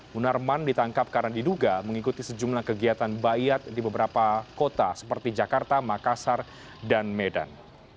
munarman ditangkap karena diduga mengikuti sejumlah kegiatan bayat di beberapa kota seperti jakarta makassar dan medan